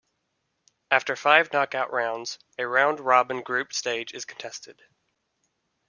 After five knockout rounds, a round-robin group stage is contested.